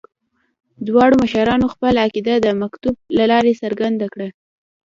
دواړو مشرانو خپله عقیده د مکتوب له لارې څرګنده کړې.